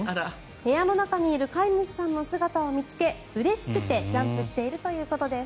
部屋の中にいる飼い主さんの姿を見つけうれしくてジャンプしているということです。